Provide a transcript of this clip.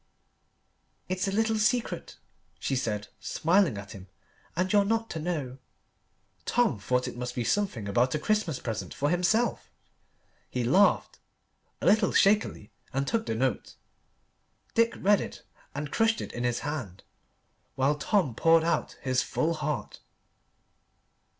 "It's a little secret," she said, smiling at him, "and you're not to know." Tom thought it must be something about a Christmas present for himself. He laughed a little shakily and took the note. Dick read it and crushed it in his hand while Tom poured out his full heart.